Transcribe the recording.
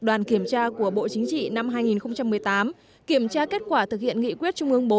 đoàn kiểm tra của bộ chính trị năm hai nghìn một mươi tám kiểm tra kết quả thực hiện nghị quyết trung ương bốn